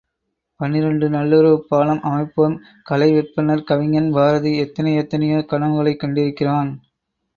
பனிரண்டு நல்லுறவுப் பாலம் அமைப்போம் கலை விற்பன்னர் கவிஞன் பாரதி எத்தனை எத்தனையோ கனவுகளைக் கண்டிருக்கிறான்.